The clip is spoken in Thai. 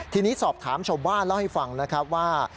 ทีนี้สอบถามชาวบ้านเล่าให้ฟังนะครับว่า